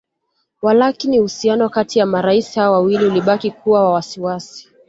Walakini uhusiano kati ya marais hao wawili ulibaki kuwa wa wasiwasi